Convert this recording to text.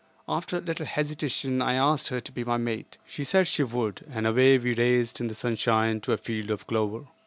After a little hesitation I asked her to be my mate. She said she would, and away we raced in the sunshine to a field of clover.